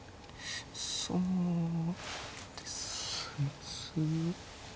そうですね詰み。